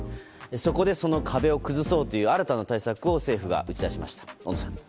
そこでその壁を崩そうという新たな対策を政府が打ち出しました。